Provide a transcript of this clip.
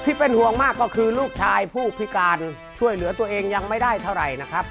ที่เป็นห่วงมากก็คือลูกชายผู้พิการช่วยเหลือตัวเองยังไม่ได้เท่าไหร่นะครับ